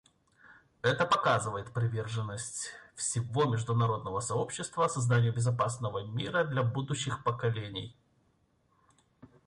Это показывает приверженность всего международного сообщества созданию безопасного мира для будущих поколений.